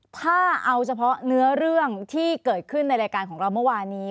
ถ้าเอาเฉพาะเนื้อเรื่องที่เกิดขึ้นในรายการของเราเมื่อวานี้